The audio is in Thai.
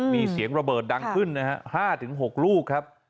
มีเสียงระเบิดดังขึ้นนะฮะ๕๖ลูกครับ